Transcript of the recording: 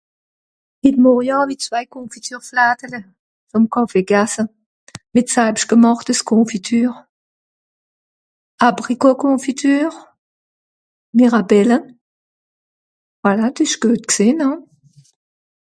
hit morje hawie Zwai Confiture fladele vom Kàffe gasse mìt saalbstgemàchtes Confiture Abricot Confiture Mirabelle voilà d'esch göt g'sehn